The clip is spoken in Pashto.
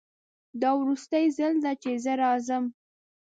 دا وروستی ځل ده چې زه راځم